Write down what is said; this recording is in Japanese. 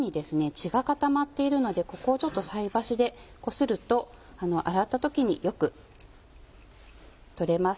血が固まっているのでここを菜箸でこすると洗った時によく取れます。